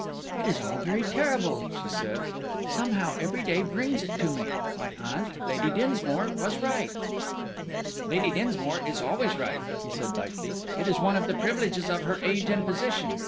"It is all very terrible," she said; "somehow every day brings it to me. My aunt, Lady Dinsmore, was right." "Lady Dinsmore is always right," he said, lightly; "it is one of the privileges of her age and position.